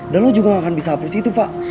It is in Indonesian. dan lo juga gak akan bisa hapus itu fa